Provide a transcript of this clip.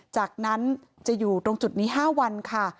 จากนั้นจะอยู่ตรงจุดนี้๕วันค่ะ